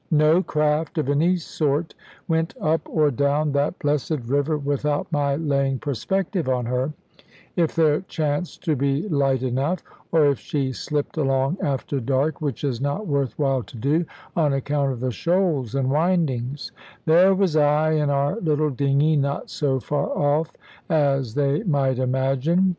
No craft of any sort went up or down that blessed river without my laying perspective on her, if there chanced to be light enough; or if she slipped along after dark which is not worth while to do, on account of the shoals and windings there was I, in our little dingy, not so far off as they might imagine.